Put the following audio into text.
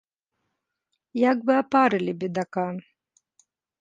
Як бы апарылі бедака.